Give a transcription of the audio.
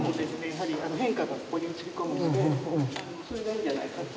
やはり変化がここに映り込むのでそれがいいんじゃないかと。